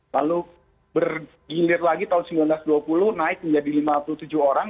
lalu bergilir lagi tahun seribu sembilan ratus dua puluh naik menjadi lima puluh tujuh orang